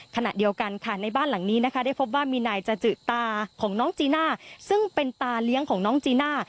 ขณะเดียวกันค่ะในบ้านหลังนี้นะคะได้พบว่ามีนายจจือตาของน้องจีน่าซึ่งเป็นตาเลี้ยงของน้องจีน่า